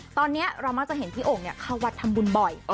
ตอนนี้เราเรียกถึงโอ่งเข้าวัดทำบุญบ่อย